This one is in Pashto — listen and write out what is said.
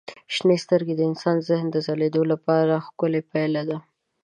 شنې سترګې د انسان د ذهن د ځلېدو لپاره ښکلي پایله ده.